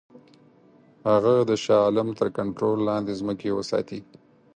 هغه د شاه عالم تر کنټرول لاندي ځمکې وساتي.